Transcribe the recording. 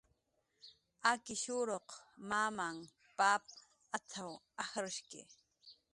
"Akishuruq mamahn pap at"" ajrshki"